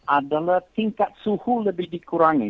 adalah tingkat suhu lebih dikurangi